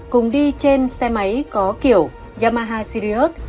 cùng đi trên xe máy có kiểu yamaha sirius